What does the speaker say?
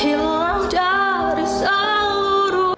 hilang dari seluruh